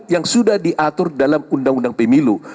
yang sudah diatur dalam undang undang pemilu